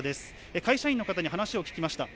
会社員の方に話を聞きました。